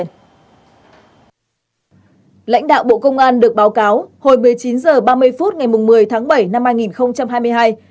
lãnh đạo bộ công an được báo cáo hồi một mươi chín h ba mươi phút ngày một mươi tháng bảy năm hai nghìn hai mươi hai